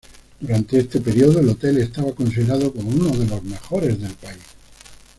Durante este periodo el hotel estaba considerado como uno de los mejores de país.